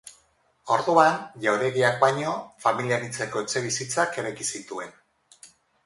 Orduan, jauregiak baino, familia anitzeko etxebizitzak eraiki zituen.